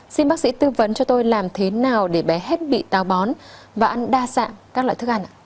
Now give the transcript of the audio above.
xin bác sĩ tư vấn cho tôi làm thế nào để bé hết bị tàu bón và ăn đa dạng các loại thức ăn ạ